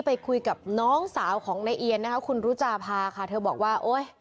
ไปคุยกับน้องสาวของในเอียนคุณรุจาภาค่ะเขาบอกว่า